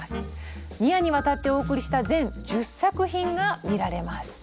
２夜にわたってお送りした全１０作品が見られます。